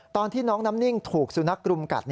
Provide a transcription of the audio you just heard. ตอนที่น้องน้ำนิ่งถูกสุนัขรุมกัด